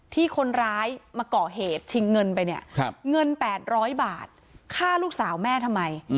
ที่คนร้ายมาก่อเหตุชิงเงินไปเนี่ยเงิน๘๐๐บาทฆ่าลูกสาวแม่ทำไม